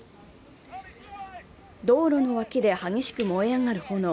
道路の脇で激しく燃え上がる炎。